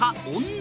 女